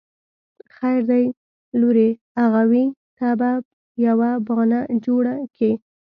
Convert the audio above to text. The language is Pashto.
خير دی لورې اغوئ ته به يوه بانه جوړه کې.